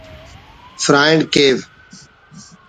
فرائینڈ کیو